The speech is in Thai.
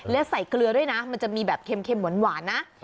และใส่เกลือด้วยนะมันจะมีแบบเค็มหวานนะ